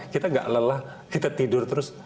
kita gak lelah kita tidur terus